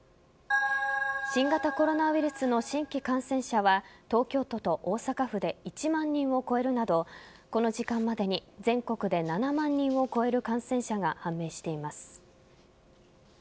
新型コロナウイルスの新規感染者は東京都と大阪府で１万人を超えるなどこの時間までに全国で７万人を超える感染者が判明しています。